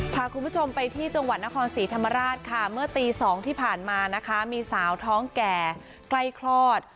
พาคุณผู้ชมไปที่จังหวัดนครศรีธรรมราชค่ะเมื่อตี๒ที่ผ่านมานะคะมีสาวท้องแก่ใกล้คลอด